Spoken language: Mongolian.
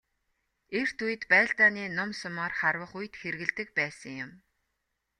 Эрт үед байлдааны нум сумаар харвах үед хэрэглэдэг байсан юм.